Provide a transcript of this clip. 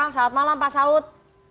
selamat malam pak saud